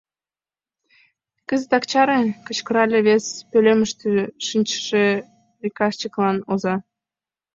Кызытак чаре! — кычкырале вес пӧлемыште шинчыше приказчиклан оза.